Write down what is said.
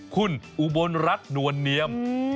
คุณอุบลรัฐนวลเนียม